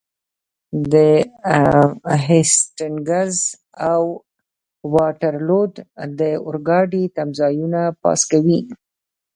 د هسټینګز او واټرلو د اورګاډي تمځایونه پاس کوئ.